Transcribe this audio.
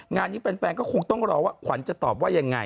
งานนี้แฟนก็คงต้องรอว่าขวัญจะตอบว่ายังไง